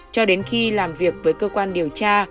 cho đến khi làm việc với cơ quan điều tra